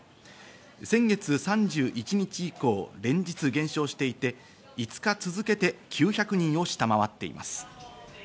先月３１日以降、連日減少していて５日続けて９００人を下回っています。